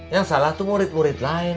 yang salah itu murid murid lain